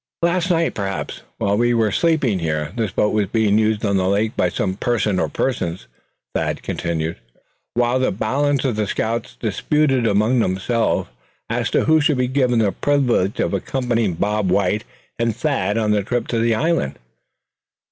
"Last night, perhaps, while we were sleeping here, this boat was being used on the lake by some person or persons," Thad continued, earnestly; while the balance of the scouts disputed among themselves as to who should be given the privilege of accompanying Bob White and Thad on the trip to the island.